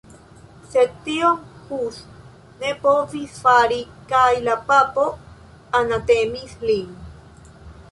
Sed tion Hus ne povis fari kaj la papo anatemis lin.